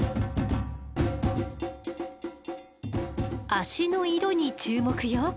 脚の色に注目よ。